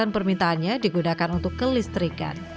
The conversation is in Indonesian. tujuh puluh permintaannya digunakan untuk kelistrikan